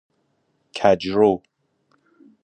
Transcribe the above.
کجرو